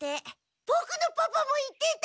ボクのパパも言ってた！